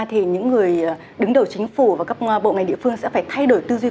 thì những người đứng đầu chính phủ và các bộ ngành địa phương sẽ phải thay đổi tư duy